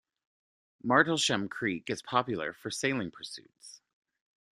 Martlesham Creek is popular for sailing pursuits.